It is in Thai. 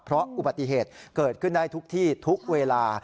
เพราะอุบัติเหตุเกิดขึ้นได้ทุกที่ทุกเวลา